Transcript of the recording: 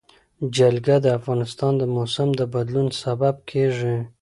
جلګه د افغانستان د موسم د بدلون سبب کېږي.